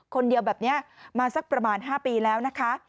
คนเดียวแบบนี้มาสักประมาณ๕ปีแล้วนะคะ